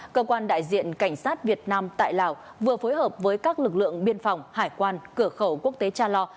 cơ quan đại diện cảnh sát việt nam tại lào vừa phối hợp với các lực lượng biên phòng hải quan cửa khẩu quốc tế cha lo